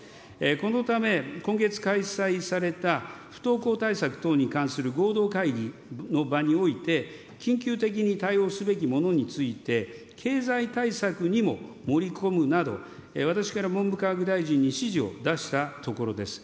このため、今月開催された不登校対策等に関する合同会議の場において、緊急的に対応すべきものについて、経済対策にも盛り込むなど、私から文部科学大臣に指示を出したところです。